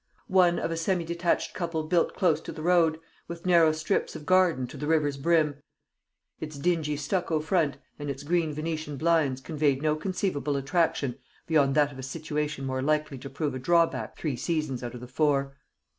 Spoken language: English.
One of a semi detached couple built close to the road, with narrow strips of garden to the river's brim, its dingy stucco front and its green Venetian blinds conveyed no conceivable attraction beyond that of a situation more likely to prove a drawback three seasons out of the four.